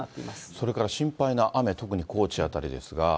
それから心配な雨、特に高知辺りですが。